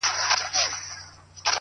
صبر د نامعلومو لارو ملګری دی